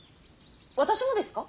私もですか。